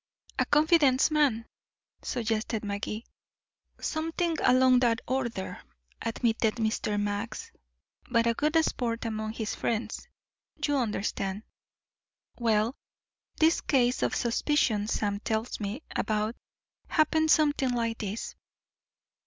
"A confidence man," suggested Magee. "Something along that order," admitted Mr. Max, "but a good sport among his friends, you understand. Well, this case of suspicion Sam tells me about happened something like this.